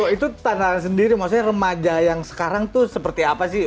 itu tantangan sendiri maksudnya remaja yang sekarang tuh seperti apa sih